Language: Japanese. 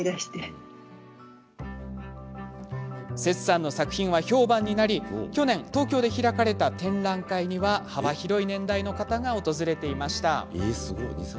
セツさんの作品は評判になり去年、東京で開かれた展覧会には幅広い年代の方が訪れました。